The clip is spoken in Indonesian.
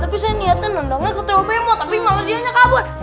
tapi saya niatnya nendangnya ke trio bemo tapi malah dia nyakabut